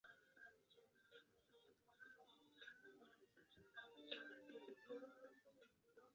后汉干佑二年窦偁中进士。